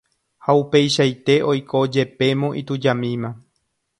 ha upeichaite oiko jepémo itujamíma